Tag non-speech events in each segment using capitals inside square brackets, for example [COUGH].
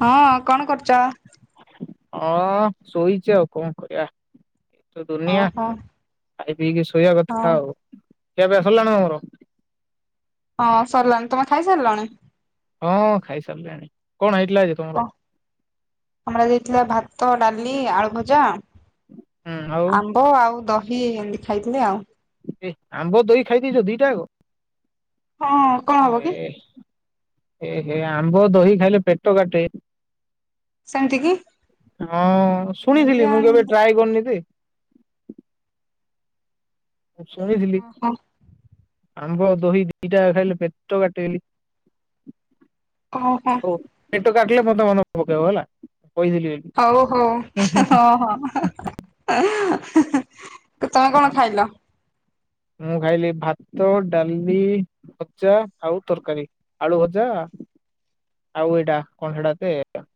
ହଁ କଣ କରୁଛ? ଅଁ- ଶୋଇଚି ଆଉ କଣ କରିବା। ତ ଦୁନିଆ ଓହୋ ଖାଇ ପିଇକି ଶୋଇବା ହଉ କଥା ଆଉ। ଖିଆ ପିଆ ସରିଲାଣି ତମର? ହଁ ସରିଲାଣି। ତମେ ଖାଇସାରିଲଣି? ହଁ ଖାଇସାରିଲେଣି କଣ ହେଇଥିଲା ଆଜି? ତମର? କ ଆମର ଆଜି ହେଇଥିଲା ଭାତ ଡାଲି ଆଳୁ ଭଜା ହୁଁ ଆଉ ଓ ଆଉ ଦହି ଏମତି ଖାଇଥିଲି ଆଉ। ଏ ଆମ୍ବ ଦହି ଖାଇ ଦେଇେଇଛ ଦିଟା ଆକୁ ହଁ କଣ ହବ [UNINTELLIGIBLE] କି ଏ ଏ ହେ ଆମ୍ବ ଦହି ଖାଇଲେ ପେଟ କାଟେ। ସେମିତି କି। ହଁ ଶୁଣିଥିଲି ମୁଁ କେବେ ଟ୍ରାଏ କରିନି ଯେ ମୁଁ ଶୁଣିଥିଲି। ଓହୋ ଆମ୍ବ ଦହି ଦି ଟା ଖାଇଲେ ପେଟ କାଟେ ବୋଲି। ଓହୋ ହଉ ପେଟ କାଟିଲେ ମତେ ମନେ ପକେଇବ ହେଲା କହିଥିଲି ଏ ହଉ ହଉ ହଁ ହଁ। ତମେ କଣ ଖାଇଲ। ମୁଁ ଖାଇଲି ଭାତ, ଡାଲି, ଭଜା ଆଉ ତରକାରୀ। ଆଳୁ ଭଜା [INAUDIBLE] ଆଉ ଏଇଟା କଣ ହେଟା କି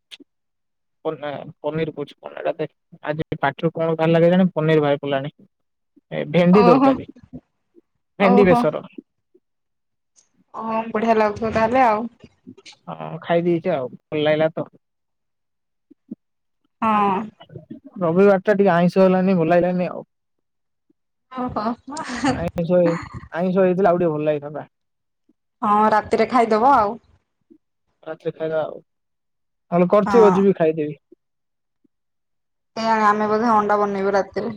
ପନି ପନୀରୁ ପୂଛ ପଳାଇଲା ଦେଖେ। ଆଜି ପାଟିରୁ କଣ ବାହାରିଲା କେଜାଣି ପନିର ବାହାରି ପଡ଼ିଲାଣି ଏ ଭେଣ୍ଡି ଓହୋ ଦରକାରୀ ନାହିଁ। ଭେଣ୍ଡି ବେଶର ହଁ ବଢିଆ ଲାଗୁଥିବ ତାହେଲେ ଆଉ। ହଁ ଖାଇ ଦେଇେଛି ଆଉ ଭଲ ଲାଗିଲା ତ। ଆଜି ହଁ ରବିବାରଟା ଟିକେ ଆଇଁଷ ହେଲାନି ଭଲଲାଗିଲାନି ଆଉ। ଓହୋ ଆଇଁଷ ହେଇ ଆଇଁଷ ହେଇଥିଲେ ଆଉ ଟିକେ ଭଲ ଲାଗିଥାନ୍ତା। ହଁ ରାତିରେ ଖାଇଦବ ଆଉ। ରାତିରେ ଖାଇବା ଆଉ ହଁ ମୁଁ କରିଛି ଯିବି ଖାଇଦେବି। ହଁ ଆମେ ବୋଧେ ଅଣ୍ଡା ବନେଇବୁ ରାତିରେ।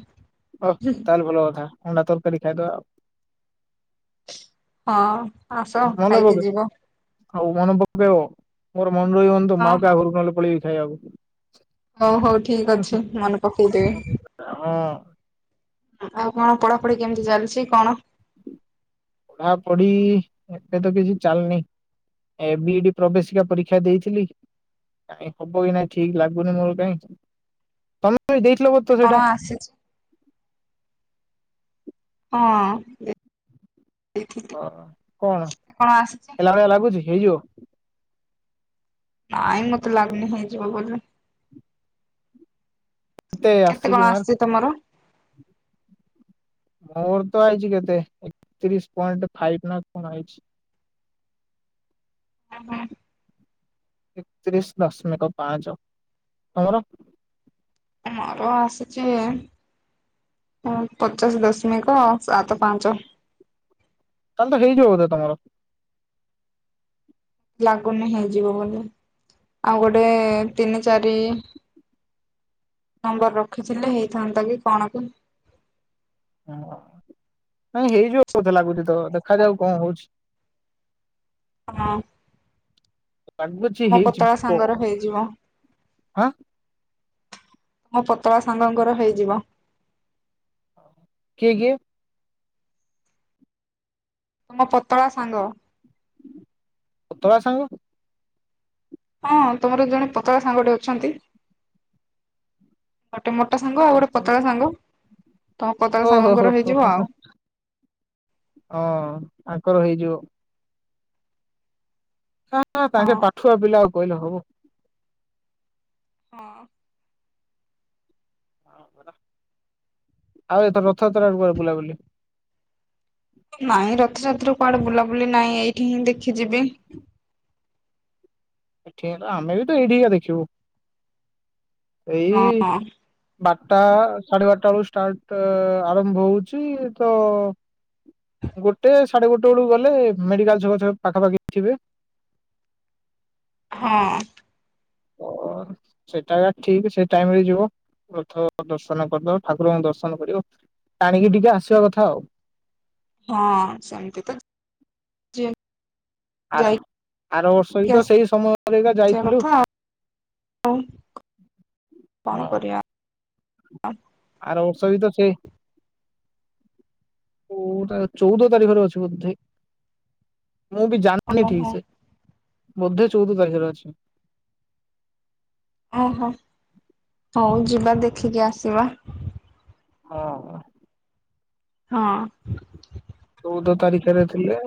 ଅହ ତାହେଲେ ଭଲ କଥା ଅଣ୍ଡା ତରକାରି ଖାଇଦେବା ଉ। ହଁ ଆସ ଖାଇକି ଯିବ। ହଉ ମନେ ପକେଇବ ମୋର ମନେ ରହୁନି ତ ହଁ ମାଉ ହଁ। କାହା ଘରୁକୁ ନହେଲେ ପଳେଇବି ଖାଇବାକୁ। ହଉ ହଉ ଠିକ ଅଛି ମନେ ପକେଇଦେବି। ହଁ ଆଉ କଣ ପଢାପଢି କେମିତି ଚାଲିଛି କଣ? ପଢାପଢି ଏତେ ତ କିଛି ଚାଲନି। ଏ ବିଇଡି ପ୍ରବେଶିକା ପରୀକ୍ଷା ଦେଇଥିଲି କାଇଁ ହବ କି ନାଇଁ ଠିକ ଲାଗୁନି ମୋର କାଇଁ ତମେ ବି ଗ ଦେଇଥିଲ ବ ତ କଣ ସେଟା? ଆସିଛି ହଁ-ଜେ ଅହ କଣ ହେଲା ଭଳିଆ ଲାଗୁଛି ହେଇଓ। ନାଇଁ ମତେ ଲାଗୁନି ହେଇଯିବ ବୋଲି। କେତେ କଣ ଆସିଛି ତମର? ମୋର ତ ଆଇଛି କେତେ ଏକତିରିଶ ପଏଣ୍ଟ ଫାଇବି ନା କଣ ଆଇଛି [UNINTELLIGIBLE] ଏକତିରିଶ ଦଶମିକ ପାଞ୍ଚ ତମର? ମୋର ଆସିଛି ପଚାଶ ଦଶମିକ ସାତ ପାଞ୍ଚ। ତାହେଲେ ତ ହେଇଯିବ ବୋଧେ ତମର ଲାଗୁନି ହେଇଯିବ ବୋଲି। ଆଉ ଗୋଟେ ତିନି ଚାରି ନମ୍ବର ରଖିଥିଲେ ହେଇଥାନ୍ତା କି କଣ କୀ? ଓ ନାଇଁ ହେଇଯିବ କଉଥାେ ଲାଗୁଛି ତ ଦେଖାଯାଉ କଣ ହଉଛି। [UNINTELLIGIBLE] ହଁ ଲାଗୁଛି ତୁମ ପତଳା ହେଇଯିବ ସାଙ୍ଗର ହେଇଯିବ। ହାଁ ତମ ପତଳା ସାଙ୍ଗଙ୍କର ହେଇଯିବ। କିଏ କିଏ ତମ ପତଳା ସାଙ୍ଗ। ପତଳା ସାଙ୍ଗ? ହଁ, ତମର ଜଣେ ପତକା ସାଙ୍ଗଟିେ ଅଛନ୍ତି। ଗୋଟେ ମୋଟା ସାଙ୍ଗ ଆଉ ଗୋଟେ ପତଳା ସାଙ୍ଗ ତମ ପତଳା ଓହୋ ହୋ ସାଙ୍ଗଙ୍କର ହୋ ହେଇଯିବ ଆଉ। ହଁ ଆଙ୍କର ହେଇଯିବ। ହଁ ତାଙ୍କେ ପାଠୁଆ ପିଲା କହିଲେ ହବ। ହଁ ହବ। ଆଉ ଏଥର ରଥଯାତ୍ରାରେ କୁଆଡ଼େ ବୁଲାବୁଲି? ନାଇଁ ରଥଯାତ୍ରା କୁଆଡେ ବୁଲାବୁଲି ନାହିଁ ଏଇଠି ହିଁ ଦେଖିଯିବି। ଏଠି ତ ଆମେ ବି ତ ଏଇଠିକିକ ଦେଖିବୁ ଏଇ ହଁ ବା ବାରଟା ସାଢେ ବାରଟା ବେଳୁ ଷ୍ଟାର୍ଟ ଆରମ୍ଭ ହଉଛି ତ ଗୋଟେ ସାଢେ ଗୋଟେ ବେଳକୁ ଗଲେ ମେଡିକାଲ ଛକ ପାଖାପାଖି ଥିବେ। ହଁ ଓ ସେଇଟା ଠିକ ସେ ଟାଇମ ରେ ଯିବ ରଥ ଦର୍ଶନ କରିଦବ ଠାକୁରଙ୍କୁ ଦର୍ଶନ କରିବ। ଟାଣିକି ଟିକେ ଆସିବା କଥା ଆଉ। ହଁ ସେମତି ତ ଆ ଯାଇକି ଆର ବର୍ଷ ହ ତ ସେଇ ସମୟରେକା ଯାଇଥିଲୁ। ହଉ ହଁ କଣ କରିବା? ଆର ବର୍ଷ ବି ତ ସେଇ ଓଟା ଚଉଦ ତାରିଖରେ ଅଛି ବୋଧେ? ମୁଁ ବି ଜାଣିନି ଠିକ ଓହୋ ସେ, ବୋଧେ ଚଉଦ ତାରିଖରେ ଅଛି? ଓହୋ ହଉ ଯିବା ଦେଖିକି ଆସିବା। ହଁ ହଁ ଚଉଦ ତାରିଖରେ ଥିଲେ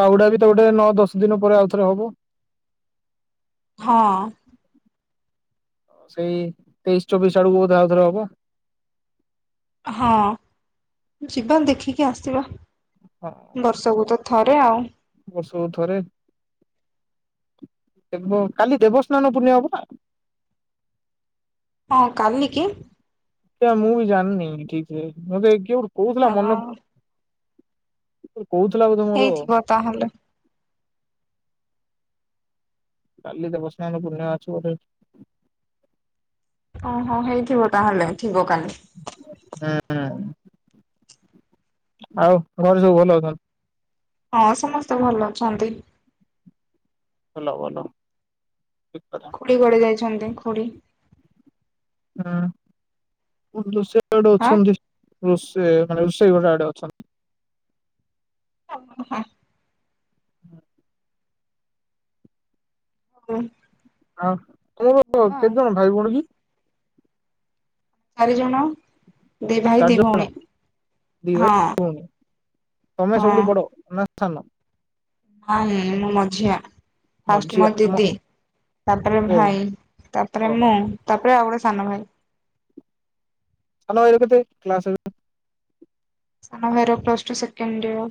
ବାହୁଡା ବି ତ ଗୋଟେ ନଅ ଦଶ ଦିନ ପରେ ଆଉଥରେ ହବ। ହଁ ସେଇ ତେଇଶି ଚବିଶ ଆଡକୁ ବୋଧେ ଆଉଥରେ ହବ। ହଁ ଯିବା ଦେଖିକି ଆସିବ। ହଁ ବର୍ଷକୁ ତ ଥରେ ଆଉ। ବର୍ଷକୁ ଥରେ ଦେବ କାଲି ଦେବସ୍ନାନ ପୂର୍ଣିମା ପରା? ହଁ କାଲି କି? ସେ ମୁଁ ବି ଜାଣିନି ଠିକ୍ ରେ ମୋତେ କିଏ ଗୋଟେ କହୁଥିଲା ହଁ [UNINTELLIGIBLE] କହୁଥିଲା କ ତମର ହେଇଥିବ ତାହେଲେ କାଲି ଦେବସ୍ନାନ ପୂର୍ଣମୀ ଅଛି ବୋଧେ? ଓହୋ ହେଇଥିବ ତାହେଲେ ଥିବ କାଲି? ହଁ ଆଉ ଘରେ ସବୁ ଭଲ ଅଛନ୍ତି? ହଁ ସମସ୍ତେ ଭଲ ଅଛନ୍ତି। ଭଲ, ଭଲ ଠିକ ଖୁଡ଼ି କୁଆଡେ ଯାଇଛନ୍ତି ଖୁଡ଼ି? [INAUDIBLE] ହୁଁ ସେ ରୋଷଇ ଘର ଆଡେ ଆଁ? ଅଛନ୍ତି। ରୋଷେଇ ମାନେ ରୋଷେଇ ଘର ଆଡେ ଅଛନ୍ତି। ହ ହଁ [INAUDIBLE] ହଁ [INAUDIBLE] ହୁଁ [INAUDIBLE] ଆଉ ତମର କେତେ ଜଣ ଭାଇ ଭଉଣୀ କି? ଚାରି ଜଣ। ଚାରି ଜଣ ହଁ ତମେ ହଁ। ସବୁଠୁ ବଡ ନା ସାନ? ନାଇଁ ନାଇଁ ମୁଁ ମଝିଆ ଫାଷ୍ଟ ମୋ ଦିଦି ତାପରେ ଓହୋ ଭାଇ ତାପରେ ଓହୋ ମୁଁ ତାପରେ ଆଉ ଗୋଟେ ସାନ ଭାଇ। [INAUDIBLE] [UNINTELLIGIBLE] ସାନ ଭାଇ ର ପ୍ଲସ ଟୁ ସେକେଣ୍ଡ ଇଅର।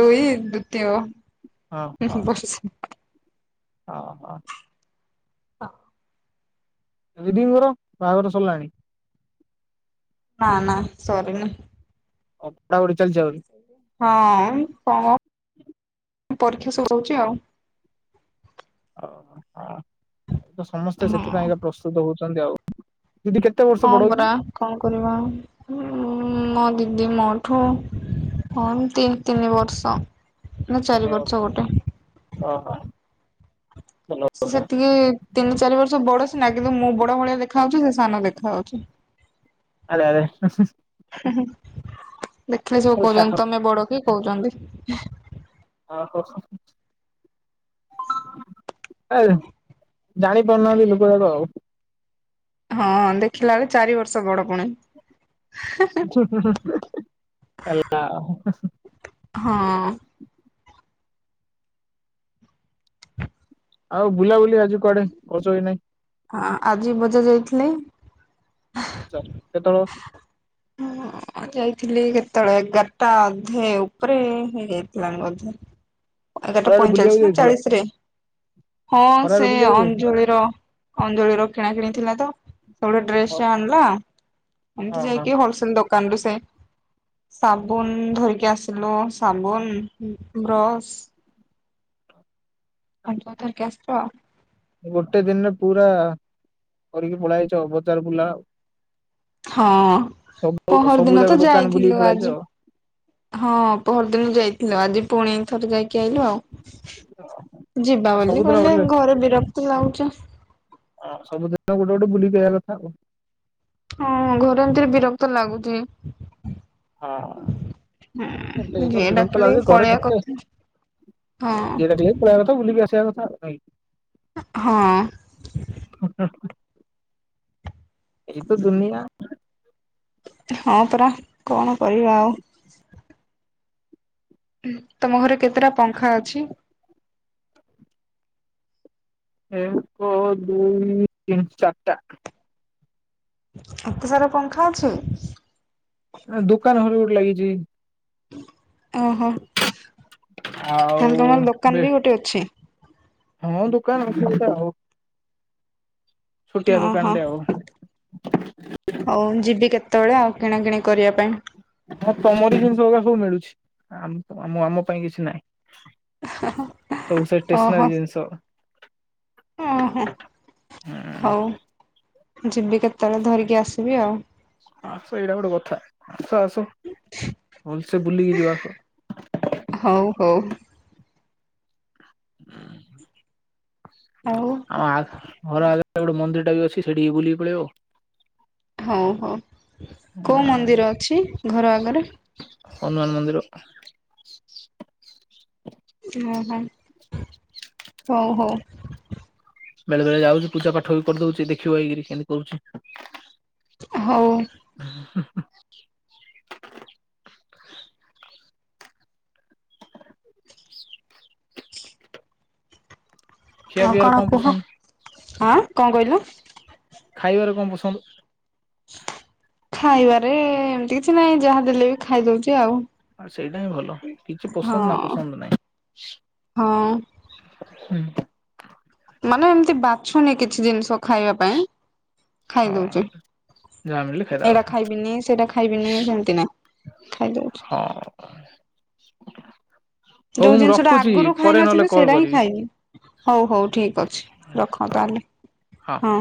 ଦେଇ ଦିତୀୟ ହଁ ହଁ ବସିଛି। ହଁ ହଁ। ହଁ [INAUDIBLE] ଦିଦିଙ୍କର ବାହାଘର ସରିଲାଣି? ନା ନା ସରିନି। ଅା ବ [INAUDIBLE] ଚାଲିଛିାଉ ହଁ କଣ ପରୀକ୍ଷା ସବୁ ହଉଛି ଆଉ। ଓ ହୋ ତ ସମସ୍ତେ ହଁ। ସେଥିପାଇଁକା ପ୍ରସ୍ତୁତ ହଉଛନ୍ତି ଆଉ ଦିଦି କେ ହଁ ପରା କଣ କରିବା ମୋ ଦିଦି ମୋଠୁ ହଁ ଦି ତିନି ବର୍ଷ ନା ଚାରି ବର୍ଷ ବୋଧେ ଓହୋ। ଭଲ ସେ କଥା ସେତିକି ତିନି ଚାରି ବର୍ଷ ବଡ ସିନା କିନ୍ତୁ ମୁଁ ବଡ ଭଳିଆ ଦେଖାଯାଉଛି ସେ ସାନ ଦେଖାଯାଉଛି। [INAUDIBLE] ଆରେ ଆରେ ଦେଖିଲେ ସବୁ କହୁଛନ୍ତି ତମେ ବଡ କି କହୁଛନ୍ତି। [INAUDIBLE] ଜାଣି ପାରୁନାହାନ୍ତି ଲୋକଗୁଡାକ ଆଉ। ହଁ ଦେଖିଲା ବେଳେ ଚାରି ବର୍ଷ ବଡ ପୁଣି [INAUDIBLE] ହଁ। ଆଉ ବୁଲାବୁଲି ଆଜି କୁଆଡେ ଆଜି କରିଛ କି ନାଇଁ? ହଁ ଆଜି ବୋଧେ ଯାଇଥିଲେ। ଆଚ୍ଛା କେତେବେଳେ ହ ଯାଇଥିଲି କେତେବେଳେ ଏଗାରଟା ଅଧେ ଉପରେ ହେଇଯାଇଥିଲା ବୋଧେ। [UNINTELLIGIBLE] ଏଗାରଟା ବୁଲିବାକୁ ପଇଁଚାଳିଶ ନା ଯାଇଥିଲ ଚାଳିଶ ରେ। ହଁ ଖରାରେ ସେ ବୁଲିବାକୁ ଯାଇ ଅଞ୍ଜଳିର ଅଞ୍ଜଳିର କିଣା କିିଣି ଥିଲା ତ ସେ ଗୋଟେ ହଁ ଡ୍ରେସଟେ ଆଣିଲା ଏମିତି ହଁ ଯାଇକି ହୋଲସେଲ ଦୋକାନରୁୁ ସେ ସାବୁନ ଧରିକି ଆସିଲୁ ସାବୁନ ବ୍ରଶ ପଞ୍ଚ ତାରଖେ ଆସ୍ତ [INAUDIBLE] ଗୋଟେ ଦିନରେ ପୁରା କରିକି ପଲେଇ ଆସିଛ ବଜାର ବୁଲା ଆଉ। ହଁ ସବୁ ପହର ସବୁ ଦିନ ତ ଯାକ ଦୋକାନ ବୁଲିକି ଯାଇଥିଲୁ ପଳେଇଛ ଆଜି ଆଉ ହଁ ପରଦିନ ଯାଇଥିଲ ଆଜି ପୁଣି ଥରେ ଯାଇକି ଆଇଲୁ ଆଉ। ଯିବା ବୋଲି ସବୁଦିନ କହିଲେ ଗୋଟେ ଘରେ ବିରକ୍ତି ଲାଗୁଛ। [UNINTELLIGIBLE] ଗୋଟେ ଗୋଟେ ବୁଲିବା କଥା ଆଉ। ହଁ ଘରେ ଏମିତିରେ ବିରକ୍ତ ଲାଗୁଛି। ଆଉ ଏଇ ହଁ ତ ଯିଏ ବିରକ୍ତ ଡାକିଲେ ଲାଗୁଛି ପଳେଇବା କଥା ହଁ। ଇଆଡ଼େ ଟିକେ ପଳେଇବା କଥା ବୁଲିକି ଆସିବା କଥା। [UNINTELLIGIBLE] ହଁ। [UNINTELLIGIBLE] ଏଇ ତ ଦୁନିଆ ହଁ ପରା କଣ କରିବା ଆଉ। ତମ ଘରେ କେତେଟା ପଙ୍ଖା ଅଛି? ଏକ, ଦୁଇ, ତିନି, ଚାରଟା। ଏତେ ସାରା ପଙ୍ଖା ଅଛି? ଦୋକାନ ଘରେ ଗଟେ ଲାଗିଛି। ଓହୋ, ଆଉ ତାହେଲେ ତମର ବେ ଦୋକାନ ବି ଗୋଟେ ଅଛି? ହଁ ଦୋକାନା ଅଛି ଗୋଟେ ଆଉ। ଛୁଟିଆ ଓହୋ ଦୋକାନଟେ ଆଉ। ହଉ ଯିବି କେତେବେଳେ ଆଉ କିଣାକିଣି କରିବା ପାଇଁ। ହଁ ତମର ଜିନିଷ ଗୁଡା ସବୁ ମିଳୁଛି ଆମ ପାଇଁ କିଛି ନାହିଁ। ସବୁ ସେ ଟେସନାରି ଜିନିଷ। ଓ ହଁ। ହଉ ଯିବି କେତେବେଳେ ଧରିକି ଆସିବି ଆଉ। ଆସ ଏଇଟା ଗୋଟେ କଥା ଆସ ଆସ ଭଲ ସେ ବୁଲିକି ଯି ଆସ। ହଉ ହଉ। ଆଉ ଆ ଘର ଆଗ ଗରେ ମନ୍ଦିର ଟା ବି ଅଛି ସେଠିକ ବୁଲି କି ପଳେଇବ। ହଁ ହଉ, କୋଉ ମନ୍ଦିର ଅଛି ଘର ଆଗରେ? ହନୁମାନ ମନ୍ଦିର। ହ ହ ହଉ ହଉ। ବେଳେ ବେଳେ ଯାଉଛି ପୂଜା ପାଠ ବି କରିଦଉଛି ଦେଖିବ ଆଇକରି କେମିତି କରୁଛି। ହଉ। ହଁଁ ଖିଆ ହ ପିଇବାରେ କଣ କୁହ ପସନ୍ଦ ହଁ କଣ କହିଲ? ଖାଇବାରେ କଣ ପସନ୍ଦ? ଖାଇବାରେ ଏମିତି କିଛି ନାହିଁ ଯାହା ଦେଲେ ବି ଖାଇ ଦଉଛି ଆଉ। ଆଉ ଏଇଟା ହିଁ ଭଲ କିଛି ହଁ ପସନ୍ଦ ନା ପସନ୍ଦ ନାହିଁ। ହଁ ହୁଁ ମାନେ ଏମିତି ବାଛୁନି କିଛି ଜିନିଷ ଖାଇବା ପାଇଁ ଖାଇ ହଁ ଦଉଛି। ଯାହା ମିଳିଲେ ଖାଇଦବା ଏଇଟା କଥା ଖାଇବିନି ସେଟା ଖାଇବିନି ସେମିତି ନା ଖାଇଦଉଛି। ହ ଯୋଉ ଜିନିଷ ଟା ଆଗରୁ ଖାଇନଥିବୁ କଲ୍ ସେଇଟା ହିଁ କରିବି ଖାଇବି। ହଉ ହଉ ଠିକ ଅଛି ରଖ ହଉ ତାହେଲେ ହଁ।